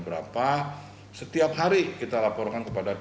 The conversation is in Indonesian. di mana setiap hari kita laporkan kondisi si a si b si c